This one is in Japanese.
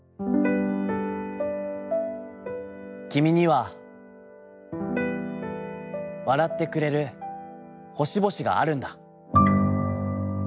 『きみには、笑ってくれる星々があるんだ！』」。